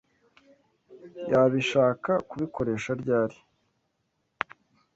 Yabishaka kubikoresha ryari?